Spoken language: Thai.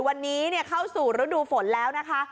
วันนี้เข้าสู่ฤดูฝนแล้วนะคะ